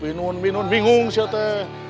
binun binun bingung siatanya